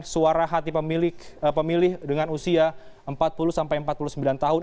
suara hati pemilih dengan usia empat puluh sampai empat puluh sembilan tahun